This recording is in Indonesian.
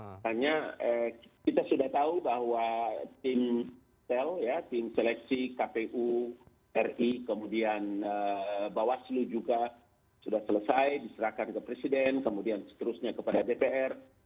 misalnya kita sudah tahu bahwa tim sel ya tim seleksi kpu ri kemudian bawaslu juga sudah selesai diserahkan ke presiden kemudian seterusnya kepada dpr